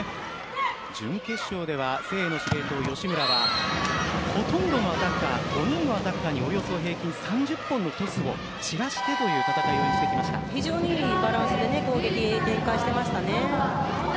準決勝では誠英の司令塔吉村はほとんどアタッカー５人のアタッカーにおよそ平均３０本のトスを散らしてという戦いを非常に良いバランスで攻撃を展開していましたね。